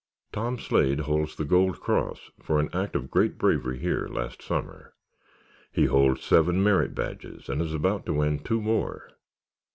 "Tom Slade holds the gold cross for an act of great bravery here last summer. He holds seven merit badges and is about to win two more.